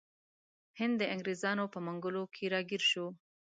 هند د انګریزانو په منګولو کې راګیر شو.